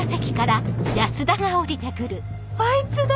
あいつだ！